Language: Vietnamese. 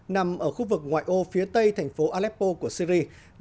nằm ở khu vực ngoại ô phía tây thành phố aleppo của syri